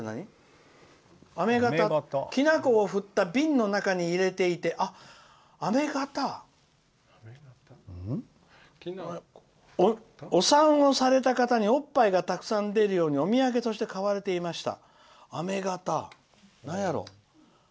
「きな粉を振った瓶の中に入れていてお産をされた方におっぱいがたくさん出るようにお土産として買われていました」。